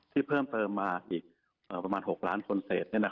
ที่เพิ่มเติมมาอีกประมาณ๖ล้านคนเศษ